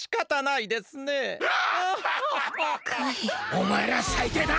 おまえらさいていだ！